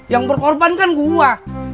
yang berkorban kan gua